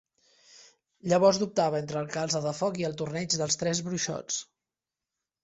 Llavors dubtava entre "El calze de foc" i "El Torneig dels Tres Bruixots".